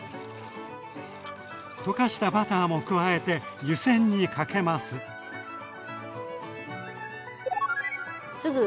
溶かしたバターも加えて湯煎にかけます。